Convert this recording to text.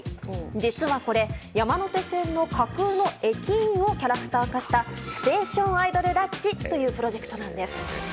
実はこれ、山手線の架空の駅員をキャラクター化した「ＳＴＡＴＩＯＮＩＤＯＬＬＡＴＣＨ！」というプロジェクトなんです。